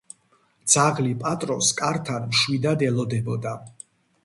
ძაღლი პატრონს კართან მშვიდად ელოდებოდა.